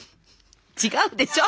違うでしょ。